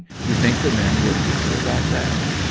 You think the men were bitter about that